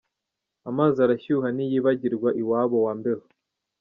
Amazi arashyuha ntiyibagirwa iwabo wa mbeho.